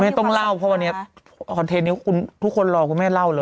ต้องเล่าเพราะวันนี้คอนเทนต์นี้ทุกคนรอคุณแม่เล่าเลย